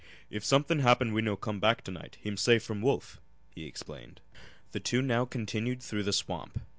"If somethin' happen we no come back to night heem safe from wolf," he explained. The two now continued through the swamp.